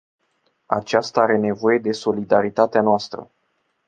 Aceasta are nevoie de solidaritatea noastră.